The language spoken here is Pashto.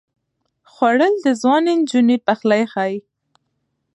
خوړل د ځوانې نجونې پخلی ښيي